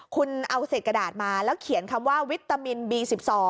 คุณเอาเศษกระดาษมาแล้วเขียนคำว่าวิตามินบี๑๒